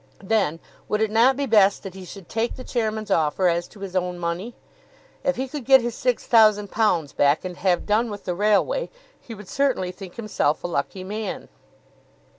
Then, would it not be best that he should take the Chairman's offer as to his own money? If he could get his £6,000 back and have done with the railway, he would certainly think himself a lucky man.